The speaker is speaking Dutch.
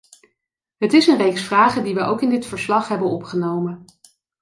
Het is een reeks vragen die wij ook in dit verslag hebben opgenomen.